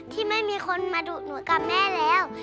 ที่ไม่มีคนมาดุหนูกับแม่แล้ว